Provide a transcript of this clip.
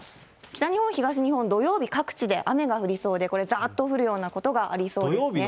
北日本、東日本、土曜日各地で雨が降りそうで、これ、ざっと降るようなことがありそうですね。